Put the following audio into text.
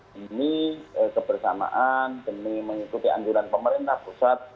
demi kebersamaan demi mengikuti anjuran pemerintah pusat